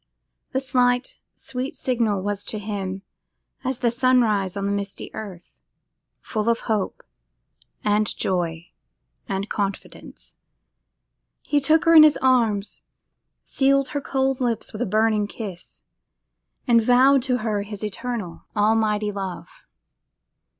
That slight, sweet signal was to him as the sunrise on the misty earth. Full of hope, and joy, and confidence, he took her in his arms, sealed her cold lips with a burning kiss, and vowed to her his eternal and almighty love!